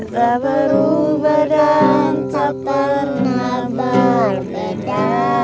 tak perlu medang tak pernah berbeda